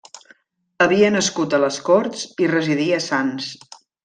Havia nascut a les Corts i residí a Sants.